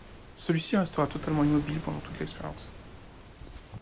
Celui-ci restera totalement immobile pendant toute l’expérience.